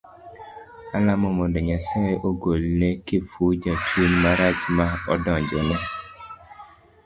Alamo mondo Nyasaye ogol ne Kifuja chuny marach ma odonjone.